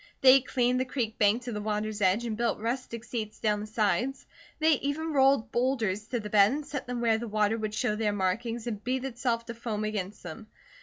They cleaned the creek bank to the water's edge and built rustic seats down the sides. They even rolled boulders to the bed and set them where the water would show their markings and beat itself to foam against them.